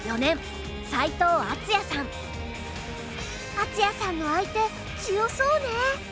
敦也さんの相手強そうね。